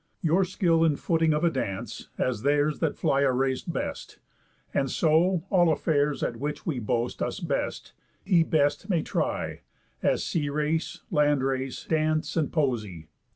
Your skill in footing of a dance, as theirs That fly a race best. And so, all affairs, At which we boast us best, he best may try, As sea race, land race, dance, and poesy.